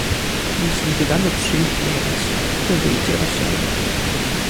Jeśli dodamy trzy i pięć, to wyjdzie osiem.